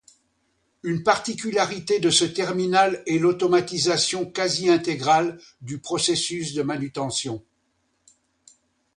Une particularité de ce terminal est l’automatisation quasi intégrale du processus de manutention.